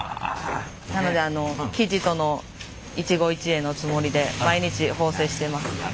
なので生地との一期一会のつもりで毎日縫製しています。